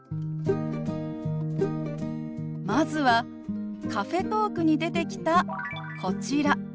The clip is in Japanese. まずはカフェトークに出てきたこちら。